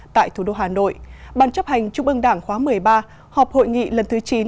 tại thủ đô hà nội bàn chấp hành chung mương đảng khóa một mươi ba họp hội nghị lần thứ chín